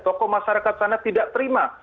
tokoh masyarakat sana tidak terima